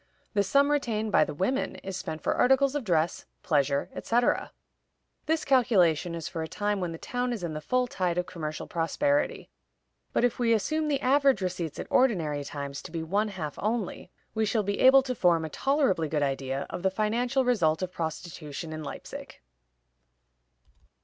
The sum retained by the women is spent for articles of dress, pleasure, etc. This calculation is for a time when the town is in the full tide of commercial prosperity; but if we assume the average receipts at ordinary times to be one half only, we shall be able to form a tolerably good idea of the financial result of prostitution in Leipzig.